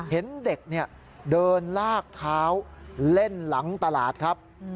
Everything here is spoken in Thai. เห็นเด็กเดินลากเท้าเล่นหลังตลาดครับ